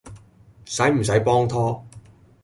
駛唔駛幫拖？